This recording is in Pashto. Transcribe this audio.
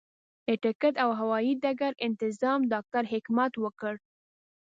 د ټکټ او هوايي ډګر انتظام ډاکټر حکمت وکړ.